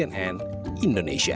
kementerian pertahanan indonesia